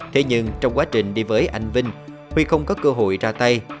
thế nhưng trong quá trình đi với anh vinh huy không có cơ hội ra tay